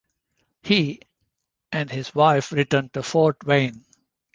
He and his wife returned to Fort Wayne.